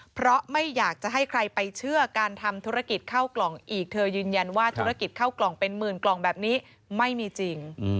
เพราะไม่อยากจะให้ใครไปเชื่อการทำธุรกิจเข้ากล่องอีกเธอยืนยันว่าธุรกิจเข้ากล่องเป็นหมื่นกล่องแบบนี้ไม่มีจริง